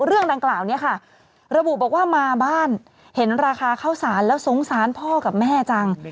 เรื่องดังกล่าวนี้ค่ะระบุบอกว่ามาบ้านเห็นราคาข้าวสารแล้วสงสารพ่อกับแม่จัง